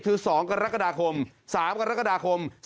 คือ๒กรกฎาคม๓กรกฎาคม